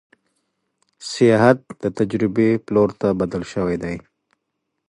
سیاحت د تجربې پلور ته بدل شوی دی.